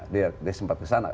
dia sempat kesana